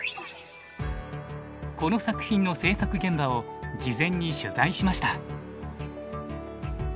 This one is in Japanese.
この作品の製作現場を事前に取材しました。